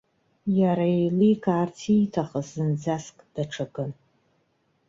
Иара иеиликаарц ииҭахыз зынӡаск даҽакын.